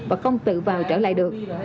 và không tự vào trở lại được